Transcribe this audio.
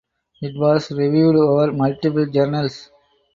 It was reviewed over multiple journals.